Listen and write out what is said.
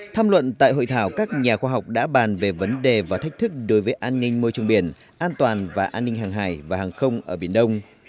tham luận tại hội thảo các nhà khoa học đã bàn về vấn đề và thách thức đối với an ninh môi trường biển an toàn và an ninh hàng hải và hàng không ở biển đông